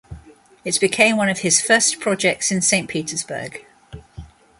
It became one of his first projects in Saint Petersburg.